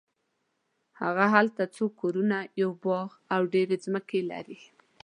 هغه هلته څو کورونه یو باغ او ډېرې ځمکې لري.